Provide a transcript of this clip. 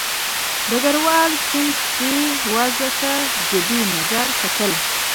ډګروال سمیت دې وضع ته جدي نظر کتل.